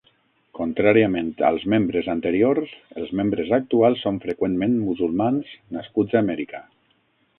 Contràriament als membres anteriors, els membres actuals són freqüentment musulmans nascuts a Amèrica.